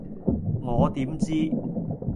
我點知